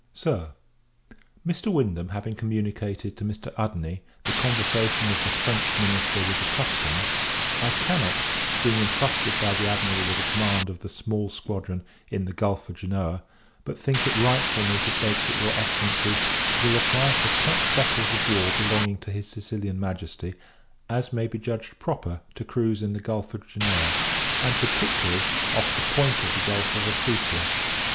SIR, Mr. Wyndham having communicated to Mr. Udney the conversation of the French minister with the Tuscans, I cannot, being intrusted by the Admiral with the command of the small squadron in the Gulph of Genoa, but think it right for me to beg that your Excellency will apply for such vessels of war belonging to his Sicilian Majesty, as may be judged proper to cruize in the Gulph of Genoa, and particularly off the point of the Gulph of Especia.